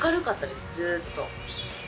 ずっと。